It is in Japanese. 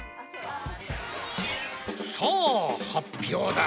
さあ発表だ。